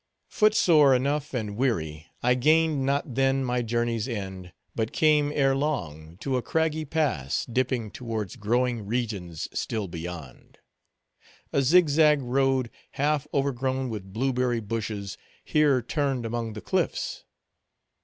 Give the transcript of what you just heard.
Foot sore enough and weary, I gained not then my journey's end, but came ere long to a craggy pass, dipping towards growing regions still beyond. A zigzag road, half overgrown with blueberry bushes, here turned among the cliffs.